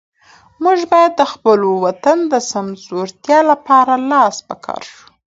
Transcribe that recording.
موږ باید د خپل وطن د سمسورتیا لپاره لاس په کار شو.